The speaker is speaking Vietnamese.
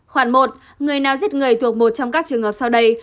khoản một người nào giết người thuộc một trong các trường hợp sau đây